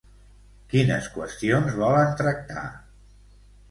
Quines qüestions volen tractar?